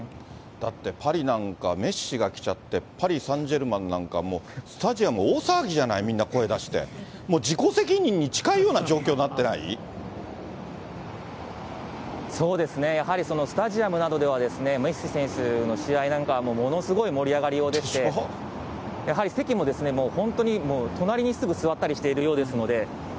だってパリなんか、メッシが来ちゃって、パリサンジェルマンなんかもうスタジアム大騒ぎじゃない、みんな声出しちゃって、もう自己責任に近いような状況になってなそうですね、やはりスタジアムなどでは、メッシ選手の試合なんかはもう、ものすごい盛り上がりようでして、やはり席も本当にもう、隣にすぐ座ったりしているようですので。